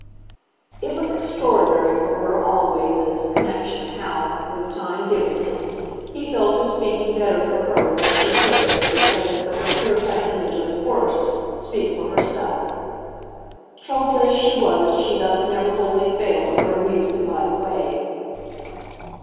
It was extraordinary for her, always, in this connexion, how, with time given him, he fell to speaking better for her than she could, in the presence of her clear cut image of the "worst," speak for herself. Troubled as she was she thus never wholly failed of her amusement by the way.